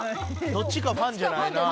どっちかファンじゃない。